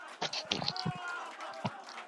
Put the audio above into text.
元延元年刘快被封为徐乡侯。